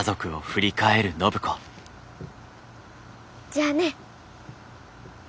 じゃあね。